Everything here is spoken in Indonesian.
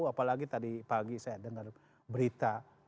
apalagi tadi pagi saya dengar berita